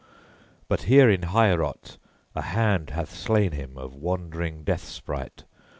But here in Heorot a hand hath slain him of wandering death sprite.